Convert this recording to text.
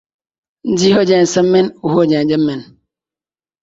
پنجے انڳلیں گھیو وچ تے سر کڑھائی وچ